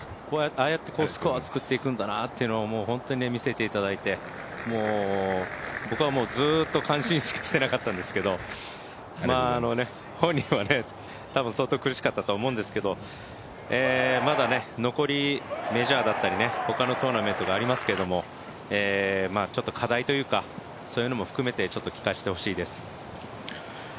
ああやってスコアを作っていくんだなというのを本当に見せていただいて僕はもうずっと感心しかしてなかったんですけど本人は多分相当苦しかったと思うんですけど、まだ残り、メジャーだったり他のトーナメントがありますけれども、課題というかそういうのも含めて聞かせてほしいです。